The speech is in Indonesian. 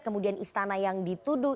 kemudian istana yang dituduh